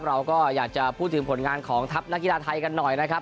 เราก็อยากจะพูดถึงผลงานของทัพนักกีฬาไทยกันหน่อยนะครับ